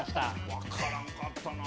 分からんかったな。